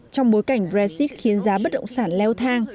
trong bối cảnh brexit khiến giá bất động sản leo thang